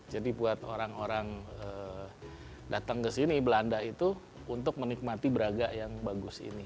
jadi buat orang orang datang ke sini belanda itu untuk menikmati braga yang bagus ini